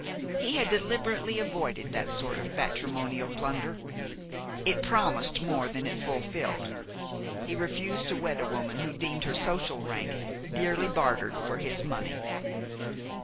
He had deliberately avoided that sort of matrimonial blunder. It promised more than it fulfilled. He refused to wed a woman who deemed her social rank dearly bartered for his money.